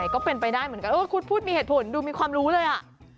ก็เป็นไปได้เหมือนกันคุณพูดมีเหตุผลดูมีความรู้เลยอ่ะ